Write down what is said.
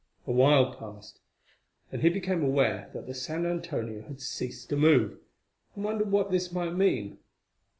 A while passed, and he became aware that the San Antonio had ceased to move, and wondered what this might mean.